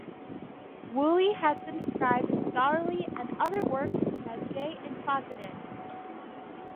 Woolley has been described in scholarly and other works as gay and closeted.